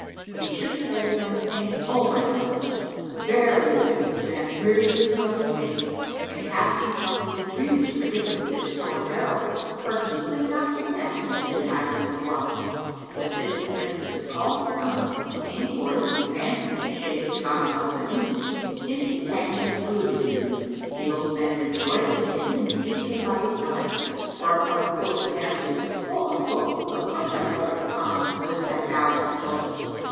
But he shook his head at them, saying, "O my daughters, verily hath this man wearied himself in vain and cast himself into grievous predicament and sore peril; for he may not gain access to the Islands of Wak." With this the Princesses called Hasan, who came forth and, advancing to Shaykh Abd al Kaddus, kissed his hand and saluted him. The old man rejoiced in him and seated him by his side; whereupon quoth the damsels, "O uncle, acquaint our brother Hasan with that thou hast told us."